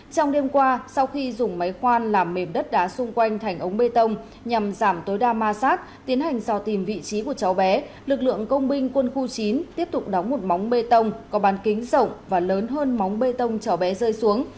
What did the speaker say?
trong đêm qua sau khi dùng máy khoan làm mềm đất đá xung quanh thành ống bê tông nhằm giảm tối đa ma sát tiến hành dò tìm vị trí của cháu bé lực lượng công binh quân khu chín tiếp tục đóng một móng bê tông có bàn kính rộng và lớn hơn móng bê tông cho bé rơi xuống